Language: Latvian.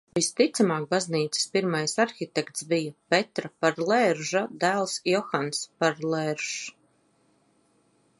Visticamāk baznīcas pirmais arhitekts bija Petra Parlērža dēls Johans Parlēržs.